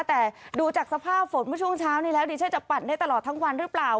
แต่ดูจากสภาพฝนเมื่อช่วงเช้านี้แล้วดิฉันจะปั่นได้ตลอดทั้งวันหรือเปล่า